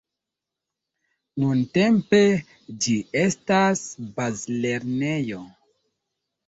Nuntempe ĝi estas bazlernejo.